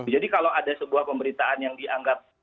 jadi kalau ada sebuah pemberitaan yang dianggap